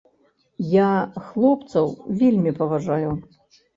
Я хлопцаў вельмі паважаю.